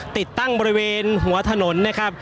ติดตั้งบริเวณหัวถนนนะครับ